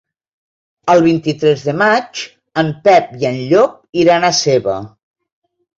El vint-i-tres de maig en Pep i en Llop iran a Seva.